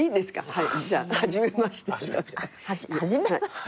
はい。